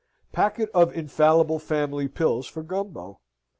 Packet of Infallible Family Pills for Gumbo.